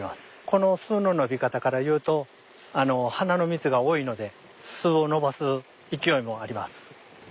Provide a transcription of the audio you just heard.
この巣の伸び方から言うとあの花の蜜が多いので巣を伸ばす勢いもあります。